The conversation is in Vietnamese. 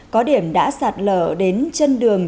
có điểm đã sạt lở đến chân đường